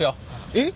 えっ？